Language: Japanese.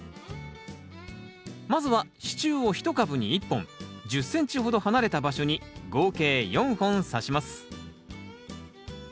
まずは支柱を１株に１本１０ｃｍほど離れた場所に合計４本さします。